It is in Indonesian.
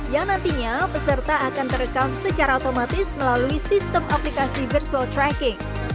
yang nantinya peserta akan terekam secara otomatis melalui sistem aplikasi virtual tracking